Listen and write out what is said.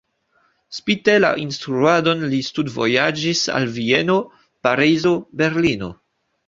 Spite la instruadon li studvojaĝis al Vieno, Parizo, Berlino.